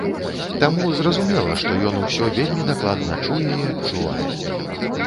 Таму зразумела, што ён усё вельмі дакладна чуе і адчувае.